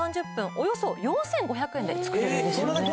およそ４５００円で作れるんですよね